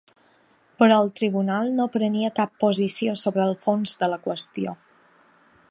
Però el Tribunal no prenia cap posició sobre el fons de la qüestió.